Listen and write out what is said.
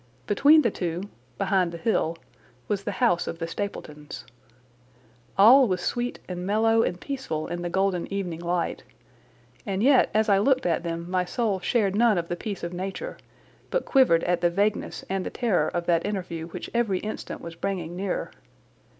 Between the two, behind the hill, was the house of the Stapletons. All was sweet and mellow and peaceful in the golden evening light, and yet as I looked at them my soul shared none of the peace of Nature but quivered at the vagueness and the terror of that interview which every instant was bringing nearer.